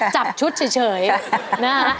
จับชุดเฉยนะฮะ